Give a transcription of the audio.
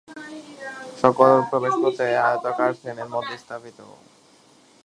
সকল প্রবেশপথই আয়তাকার ফ্রেমের মধ্যে স্থাপিত।